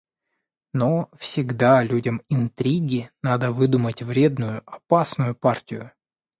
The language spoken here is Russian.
Но всегда людям интриги надо выдумать вредную, опасную партию.